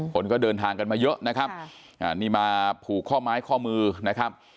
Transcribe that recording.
คนก็เดินทางกันมาเยอะนะครับนี่มาผูกข้อไม้ข้อมือนะครับ